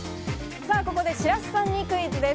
ここで白洲さんにクイズです。